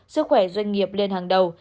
sức khỏe doanh nghiệp lên hàng đầu